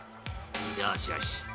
よーしよし］